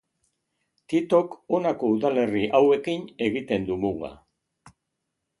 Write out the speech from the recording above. Titok honako udalerri hauekin egiten du muga.